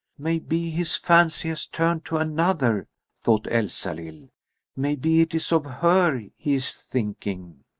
"Maybe his fancy has turned to another," thought Elsalill. "Maybe it is of her he is thinking."